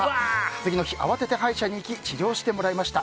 次の日、慌てて歯医者に行き治療してもらいました。